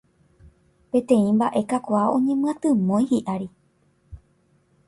Peteĩ mbaʼe kakuaa oñemyatymói hiʼári.